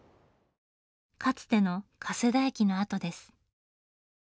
かつての加世田駅の跡です。